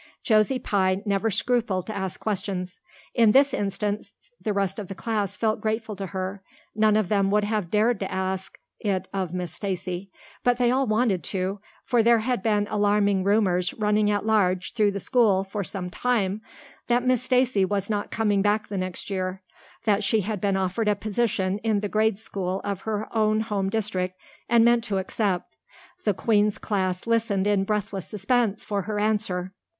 Josie Pye never scrupled to ask questions; in this instance the rest of the class felt grateful to her; none of them would have dared to ask it of Miss Stacy, but all wanted to, for there had been alarming rumors running at large through the school for some time that Miss Stacy was not coming back the next year that she had been offered a position in the grade school of her own home district and meant to accept. The Queen's class listened in breathless suspense for her answer.